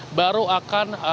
kemudian baru akan berjalan